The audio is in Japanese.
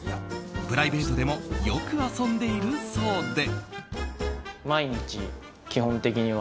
プライベートでもよく遊んでいるそうで。